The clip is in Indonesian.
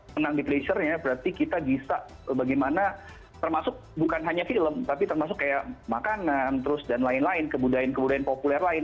menang di pressure nya berarti kita bisa bagaimana termasuk bukan hanya film tapi termasuk kayak makanan terus dan lain lain kebudayaan kebudayaan populer lain